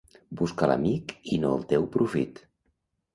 Busca l'amic i no el teu profit.